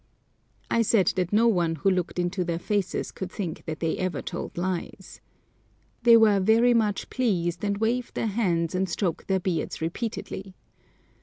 I said that no one who looked into their faces could think that they ever told lies. They were very much pleased, and waved their hands and stroked their beards repeatedly.